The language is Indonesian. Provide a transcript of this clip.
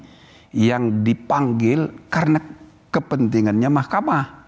ada saksi yang dipanggil karena kepentingannya mahkamah